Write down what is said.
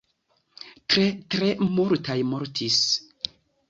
Tre tre multaj mortis.